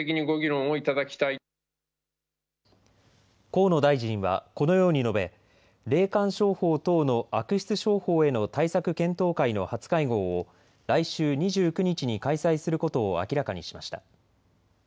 河野大臣はこのように述べ霊感商法等の悪質商法への対策検討会の初会合を来週２９日に開催することを明らかにしました。